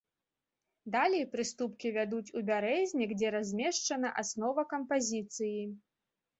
Далей прыступкі вядуць у бярэзнік, дзе размешчана аснова кампазіцыі.